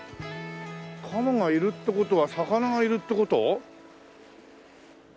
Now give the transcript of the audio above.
カモがいるって事は魚がいるって事？